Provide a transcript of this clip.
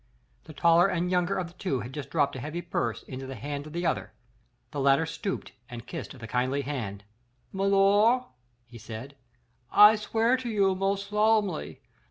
The taller and younger one of the two had just dropped a heavy purse into the hand of the other. The latter stooped and kissed the kindly hand. "Milor," he said, "I swear to you most solemnly that M.